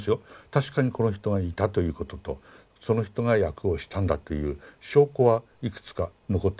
確かにこの人がいたということとその人が訳をしたんだという証拠はいくつか残ってます。